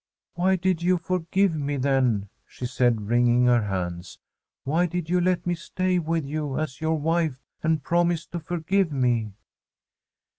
' Why did you forgive me, then ?' she said, wringing her hands. ' Why did you let me stay with you as your wife and promise to forgive me?'